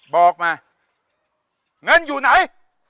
บอกมาเงินอยู่ไหน